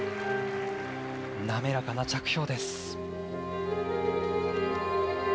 滑らかな着氷です。